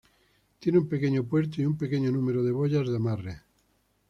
Tiene un pequeño puerto y un pequeño número de boyas de amarre.